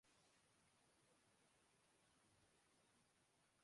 نورانی کرنیں ہر سو پھیل کر منظر کی لطافت کو مزید نکھار رہی تھیں